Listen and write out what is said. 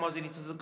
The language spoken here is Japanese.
「く」！